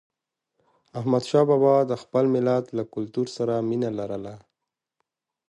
احمدشاه بابا د خپل ملت له کلتور سره مینه لرله.